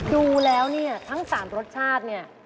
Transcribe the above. ดูแล้วเนี่ยทั้ง๓รสชาติเนี่ย